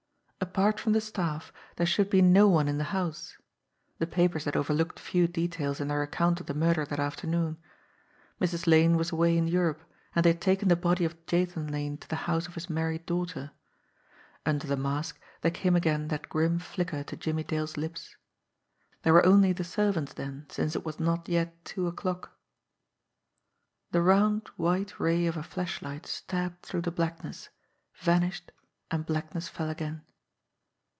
Apart from the staff, there should be no one in the house. The papers had overlooked few details in their ac count of the murder that afternoon. Mrs. Lane was away in Europe, and they had taken the body of Jathan Lane to the house of his married daughter. Under the mask there came again that grim flicker to Jimmie Dale's lips. There were only the servants then since it was not yet two o'clock I The round, white ray of a flashlight stabbed through the blackness, vanished, and blackness fell again.